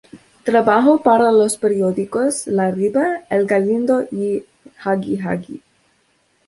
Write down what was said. Trabajó para los periódicos "La Ribera", "El Galindo" y "Jagi-Jagi".